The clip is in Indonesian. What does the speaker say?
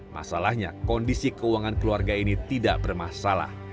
masalahnya kondisi keuangan keluarga ini tidak bermasalah